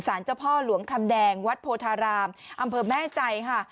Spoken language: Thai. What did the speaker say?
เจ้าพ่อหลวงคำแดงวัดโพธารามอำเภอแม่ใจค่ะ